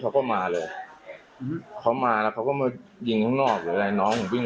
เขามาเลยเขามาแล้วเข้าก็มายิงข้างนอกหมนขึ้นบนแล้วเขาของ